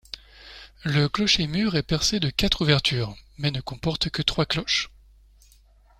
Le clocher-mur est percé de quatre ouvertures, mais ne comporte que trois cloches.